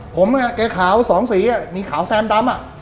ผมน่ะแกขาวสองสีอ่ะมีขาวแซมดำอ่ะ